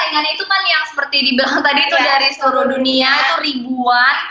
karena saingannya itu kan yang seperti dibilang tadi itu dari seluruh dunia atau ribuan